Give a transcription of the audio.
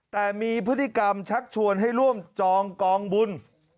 แต่มีพฤติกรรมชักชวนให้ร่วมจองกองบุญ